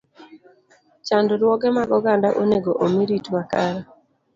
Chandruoge mag oganda onego omi rit makare.